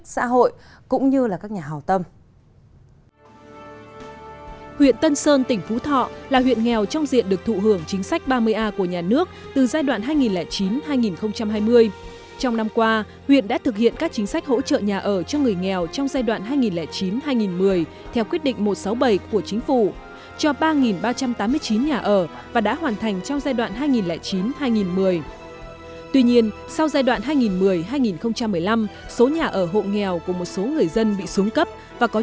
xin chào các bạn